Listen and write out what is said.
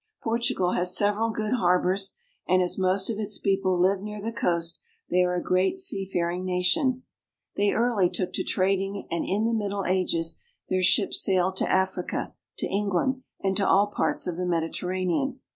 Portugal has several good harbors, and as most of its THE KINGDOM OF PORTUGAL. 447 people live near the coast, they are a great seafaring nation. They early took to trading and in the Middle Ages their ships sailed to Africa, to England, and to all parts of the Mediterranean.